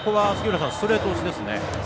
ストレート押しですね。